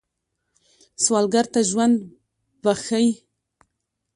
سوالګر ته ژوند بخښئ